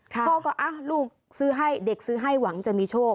พ่อก็ลูกซื้อให้เด็กซื้อให้หวังจะมีโชค